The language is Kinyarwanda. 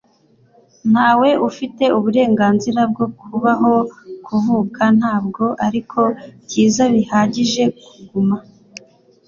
ntawe ufite uburenganzira bwo kubaho kuvuka ntabwo ari byiza bihagije kuguma